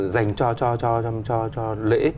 dành cho lễ